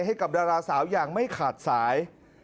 ให้กับดาราสาวอย่างไม่ขาดสาย